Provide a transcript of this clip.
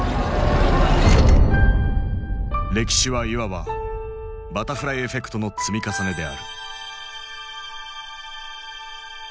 歴史はいわば「バタフライエフェクト」の積み重ねである。